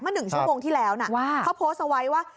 ๑ชั่วโมงที่แล้วนะเขาโพสต์เอาไว้ว่า